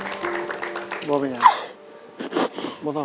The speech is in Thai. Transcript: ที่บอกใจยังไง